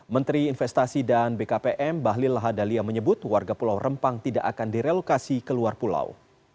menteri investasi dan bkpm bahlil lahadalia menyebut warga pulau rempang tidak akan direlokasi ke luar pulau